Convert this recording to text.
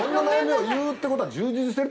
を言うってことは。